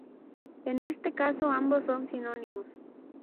En este caso ambos son sinónimos.